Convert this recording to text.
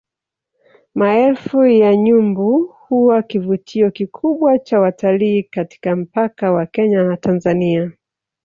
Maelfu ya nyumbu huwa kivutio kikubwa cha watalii katika mpaka wa Kenya na Tanzania